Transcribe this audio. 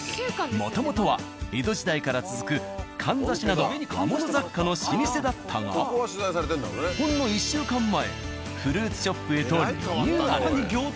もともとは江戸時代から続くかんざしなど和物雑貨の老舗だったがほんのとリニューアル。